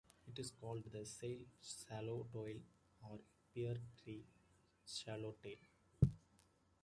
It is also called the sail swallowtail or pear-tree swallowtail.